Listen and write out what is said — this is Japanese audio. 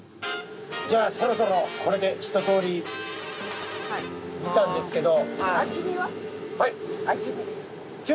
じゃそろそろこれで一通り見たんですけど。